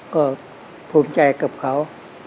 ก็ภูมิใจกับเขา